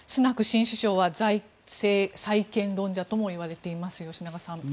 新首相は財政再建論者ともいわれています吉永さん。